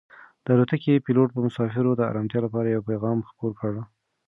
د الوتکې پېلوټ د مسافرو د ارامتیا لپاره یو پیغام خپور کړ.